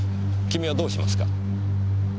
君はどうしますか？